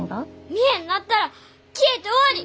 見えんなったら消えて終わり！